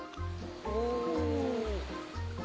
うん。